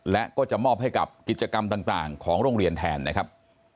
และก็จะมอบให้กับกิจกรรมต่างของโรงเรียนแทนนะครับ